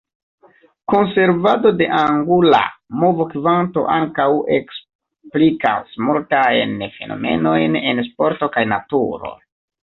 Konservado de angula movokvanto ankaŭ eksplikas multajn fenomenojn en sporto kaj naturo.